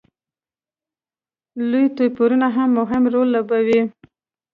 لوی توپیرونه هم مهم رول لوبوي.